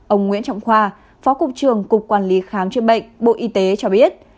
ông nguyễn trọng khoa phó cục trường cục quản lý kháng truyền bệnh bộ y tế cho biết